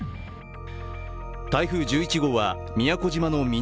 台風１１号は宮古島の南